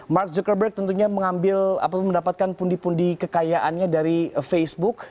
mark zuckerberg tentunya mengambil atau mendapatkan pundi pundi kekayaannya dari facebook